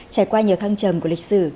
trải qua nhiều thăng trầm của lịch sử